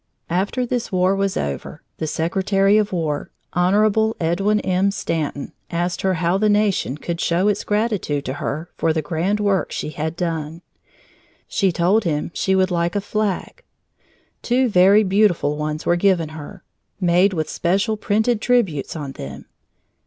After this war was over, the Secretary of War, Honorable Edwin M. Stanton, asked her how the nation could show its gratitude to her for the grand work she had done. She told him she would like a flag. Two very beautiful ones were given her, made with special printed tributes on them.